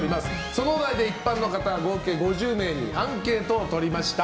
そのお題で一般の方合計５０人にアンケートをとりました。